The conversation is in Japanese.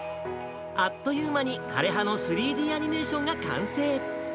あっという間に枯れ葉の３Ｄアニメーションが完成。